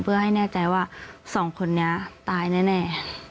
เพื่อให้แน่ใจว่าสองคนนี้ตายแน่